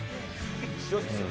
一応ですよ。